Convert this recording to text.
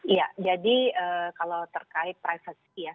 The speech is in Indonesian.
ya jadi kalau terkait privacy ya